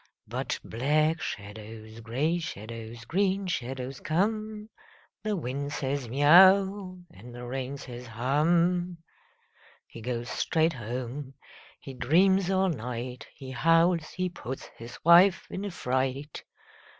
But black shadows, grey shadows, green shadows come. The wind says, " Miau !" and the rain says, « Hum !" He goes straight home. He dreams all night. He howls. He puts his wife in a fright.